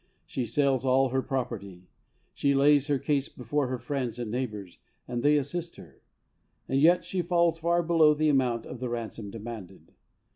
She sells all her property, she lays her case before her friends and neighbours, and they assist her, and yet she falls far below the amount of the ransom demanded.